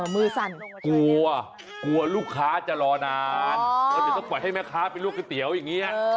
มือสั่นกลัวกลัวลูกค้าจะรอนานแล้วเดี๋ยวต้องปล่อยให้แม่ค้าไปลวกก๋วยเตี๋ยวอย่างนี้